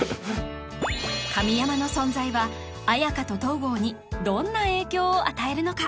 神山の存在は綾華と東郷にどんな影響を与えるのか？